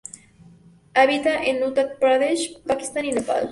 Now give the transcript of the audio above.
Habita en Uttar Pradesh, Pakistán y Nepal.